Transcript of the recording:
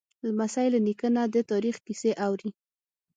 لمسی له نیکه نه د تاریخ کیسې اوري.